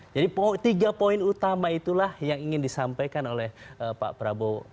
jadi tiga poin utama itulah yang ingin disampaikan oleh pak prabowo